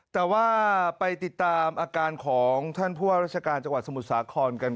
แต่ว่าไปติดตามอาการของท่านผู้ว่าราชการจังหวัดสมุทรสาครกัน